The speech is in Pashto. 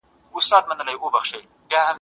د ارغنداب سیند د اوبو زیرمه ګڼل کيږي.